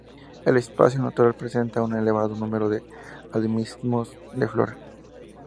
El espacio natural presenta un elevado número de endemismos de flora.